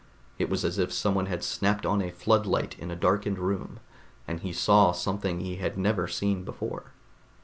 It was as if someone had snapped on a floodlight in a darkened room, and he saw something he had never seen before.